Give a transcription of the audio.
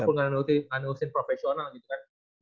koko lo basket walaupun ga nganurin profesional gitu kan